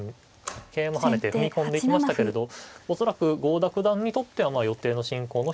桂馬跳ねて踏み込んでいきましたけれど恐らく郷田九段にとっては予定の進行の一つなのかなという。